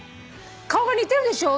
顔が似てるでしょ？